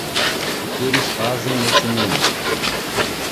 O que eles fazem no cinema?